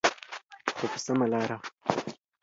خو په سمه لاره.